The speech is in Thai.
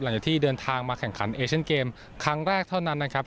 หลังจากที่เดินทางมาแข่งขันเอเชียนเกมครั้งแรกเท่านั้นนะครับ